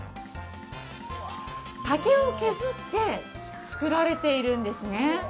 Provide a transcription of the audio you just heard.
竹を削って作られているんですね。